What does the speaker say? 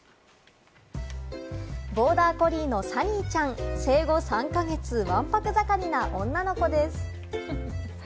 ボーダーコリーのサニーちゃん、生後３か月、ワンパク盛りな女の子です。